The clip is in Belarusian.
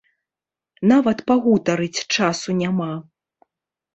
Нават пагутарыць часу няма.